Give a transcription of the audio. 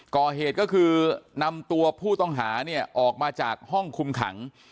ก่อเหตุก็คือนำตัวผู้ต้องหาเนี่ยออกมาจากห้องคุมขัง